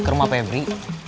ke rumah pebri